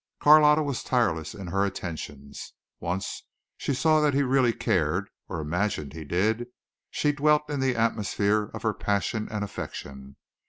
Carlotta was tireless in her attentions. Once she saw that he really cared, or imagined he did, she dwelt in the atmosphere of her passion and affection.